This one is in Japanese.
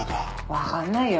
わかんないよ。